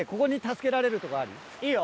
いいよ。